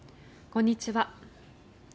こんにちは。